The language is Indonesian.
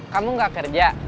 kamu gak kerja